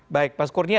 baik pak skurnia